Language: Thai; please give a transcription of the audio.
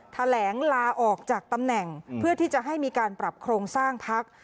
แถลงลาออกจากตำแหน่งเพื่อที่จะให้มีการปรับโครงสร้างพัก